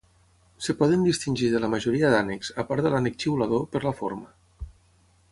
Es poden distingir de la majoria d'ànecs, apart de l'ànec xiulador, per la forma.